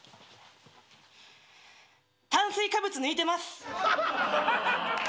炭水化物抜いてます。